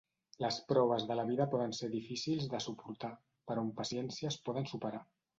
Les proves de la vida poden ser difícils de suportar, però amb paciència es poden superar.